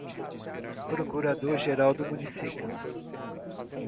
procurador-geral do Município